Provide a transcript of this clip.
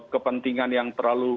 kepentingan yang terlalu